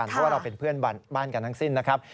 เพราะว่าเราเป็นเพื่อนบ้านกันทั้งสิ้นนะครับ